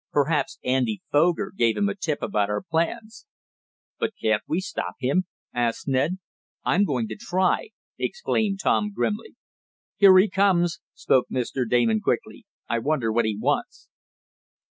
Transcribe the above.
Perhaps Andy Foger gave him a tip about our plans." "But can't we stop him?" asked Ned. "I'm going to try!" exclaimed Tom grimly. "Here he comes," spoke Mr. Damon quickly. "I wonder what he wants?"